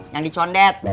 yang di condet